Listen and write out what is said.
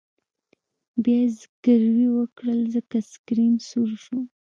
بیا یې زګیروی وکړ ځکه سکرین سور شو